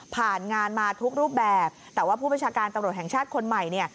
งานมาทุกรูปแบบแต่ว่าผู้บัญชาการตำรวจแห่งชาติคนใหม่เนี่ย